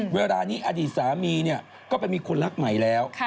เวลานี้อดีตสามีก็ไปมีคนรักใหม่แล้ว